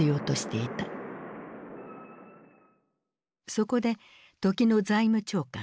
そこで時の財務長官